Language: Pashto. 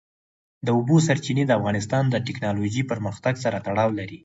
د اوبو سرچینې د افغانستان د تکنالوژۍ پرمختګ سره تړاو لري.